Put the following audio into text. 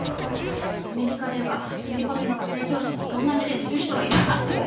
アメリカでは住み込みの家庭教師にそんな目で見る人はいなかった。